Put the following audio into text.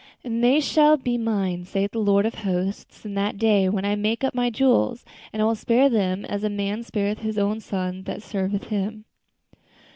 And they shall be mine, saith the Lord of hosts, in that day when I make up my jewels; and I will spare them, as a man spareth his own son that serveth him."